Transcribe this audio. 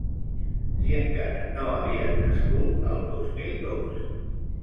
Si encara no havien nascut, el dos mil dos!